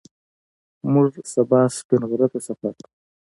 موږ سبا سپین غره ته سفر کوو